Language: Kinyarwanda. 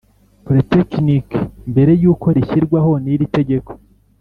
Polytechnic mbere y uko rishyirwaho n iritegeko